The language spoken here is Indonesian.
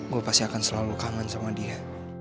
gue pasti akan selalu kangen sama dia